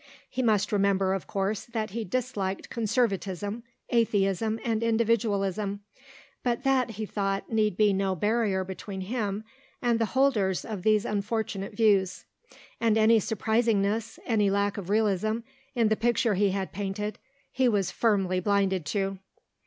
He must remember, of course, that he disliked Conservatism, Atheism, and Individualism; but that, he thought, need be no barrier between him and the holders of these unfortunate views. And any surprisingness, any lack of realism, in the picture he had painted, he was firmly blind to.